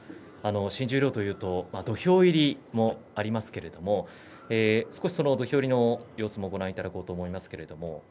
新十両というと土俵入りもありますけれど少し、その土俵入りの様子もご覧いただこうと思います。